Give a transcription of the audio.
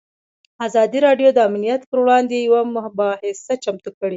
ازادي راډیو د امنیت پر وړاندې یوه مباحثه چمتو کړې.